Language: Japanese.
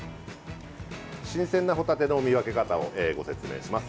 新鮮なホタテの見分け方をご説明します。